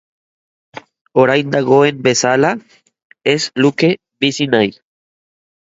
Orain dagoen bezala, ez luke bizi nahi.